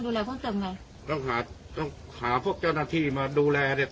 เพิ่มเติมไงต้องหาต้องหาพวกเจ้าหน้าที่มาดูแลเนี้ย